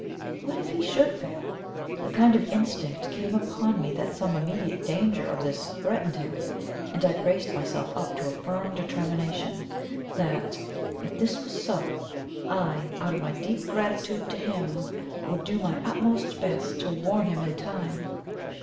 What if he SHOULD fail? A kind of instinct came upon me that some immediate danger of this threatened him, and I braced myself up to a firm determination, that, if this was so, I, out of my deep gratitude to him, would do my utmost best to warn him in time.